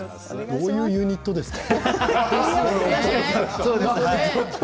どういうユニットですか。